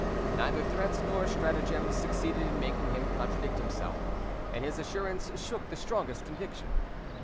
Neither threats nor stratagems succeeded in making him contradict himself, and his assurance shook the strongest conviction.